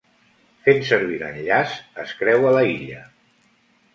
Fent servir l'enllaç es creua la illa.